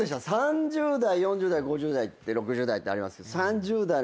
３０代４０代５０代６０代ってありますけど３０代の。